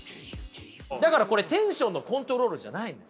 だからこれテンションのコントロールじゃないんですよ。